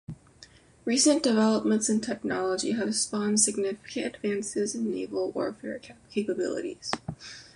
Recent developments in technology have spawned significant advances in naval warfare capabilities.